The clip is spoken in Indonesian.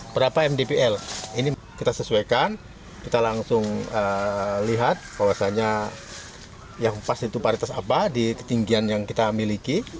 berapa mdpl ini kita sesuaikan kita langsung lihat bahwasannya yang pas itu paritas apa di ketinggian yang kita miliki